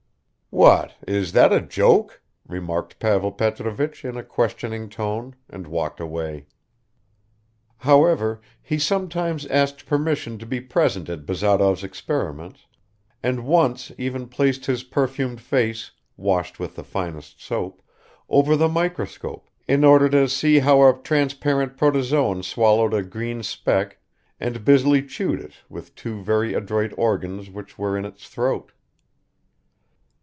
"What, is that a joke?" remarked Pavel Petrovich in a questioning tone and walked away. However, he sometimes asked permission to be present at Bazarov's experiments and once even placed his perfumed face, washed with the finest soap, over the microscope, in order to see how a transparent protozoon swallowed a green speck and busily chewed it with two very adroit organs which were in its throat.